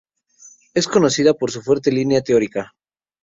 Es conocida por su fuerte línea teórica.